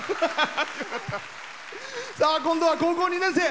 今度は高校２年生。